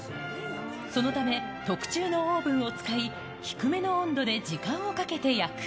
そのため、特注のオーブンを使い、低めの温度で時間をかけて焼く。